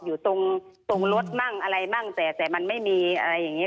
อยู่ตรงรถมั่งอะไรมั่งแต่แต่มันไม่มีอะไรอย่างนี้